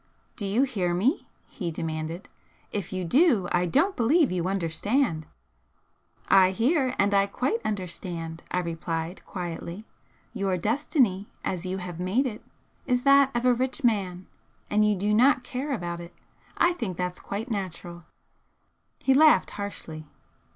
"Do you hear me?" he demanded "If you do, I don't believe you understand!" "I hear and I quite understand," I replied, quietly, "Your destiny, as you have made it, is that of a rich man. And you do not care about it. I think that's quite natural." He laughed harshly.